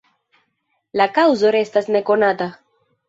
La kaŭzo restas ne konata.